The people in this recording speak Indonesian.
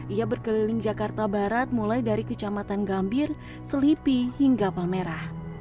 ia berkeliling jakarta barat mulai dari kecamatan gambir selipi hingga palmerah